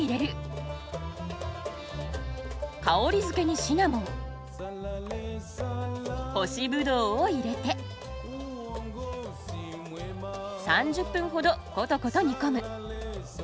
香りづけにシナモン干しぶどうを入れて３０分ほどことこと煮込む。